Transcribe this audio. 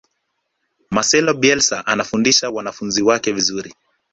marcelo bielsa anafundisha wanafunzi wake vizuri